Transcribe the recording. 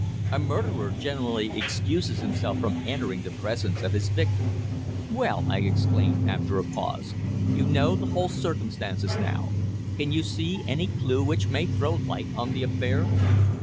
A murderer generally excuses himself from entering the presence of his victim." "Well," I exclaimed, after a pause, "you know the whole circumstances now. Can you see any clue which may throw light on the affair?"